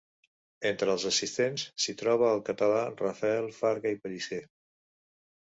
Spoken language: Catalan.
Entre els assistents s'hi trobà el català Rafael Farga i Pellicer.